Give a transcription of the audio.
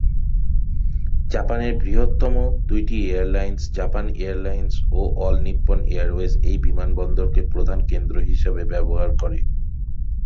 জাপানের বৃহত্তম দুইটি এয়ারলাইন্স জাপান এয়ারলাইন্স ও অল নিপ্পন এয়ারওয়েজ এই বিমানবন্দরকে প্রধান কেন্দ্র হিসেবে ব্যবহার করে।